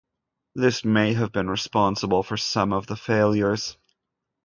This may have been responsible for some of the failures.